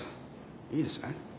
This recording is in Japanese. いいですね？